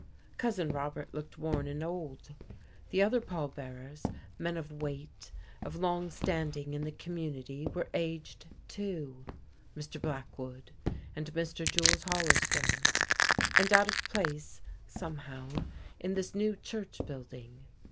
Cousin Robert looked worn and old. The other pall bearers, men of weight, of long standing in the community, were aged, too; Mr. Blackwood, and Mr. Jules Hollister; and out of place, somehow, in this new church building.